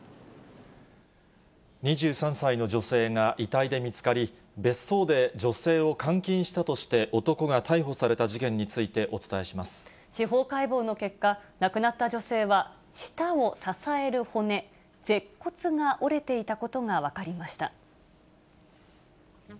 ２３歳の女性が遺体で見つかり、別荘で女性を監禁したとして、男が逮捕された事件についてお伝司法解剖の結果、亡くなった女性は、舌を支える骨、舌骨が折れていたことが分かりました。